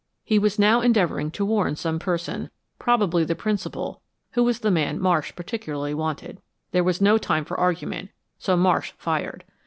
He was now endeavoring to warn some person; probably the principal, who was the man Marsh particularly wanted. There was no time for argument, so Marsh fired.